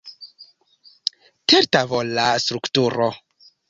Tertavola strukturo.